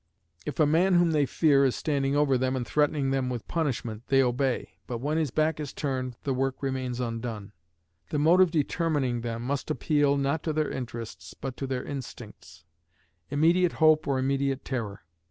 If a man whom they fear is standing over them and threatening them with punishment, they obey; but when his back is turned, the work remains undone. The motive determining them must appeal, not to their interests, but to their instincts; immediate hope or immediate terror.